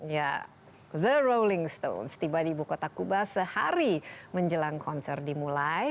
ya the rolling stones tiba di ibu kota kuba sehari menjelang konser dimulai